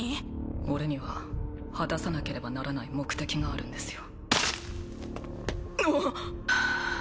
俺には果たさなければならない目的があるんですよ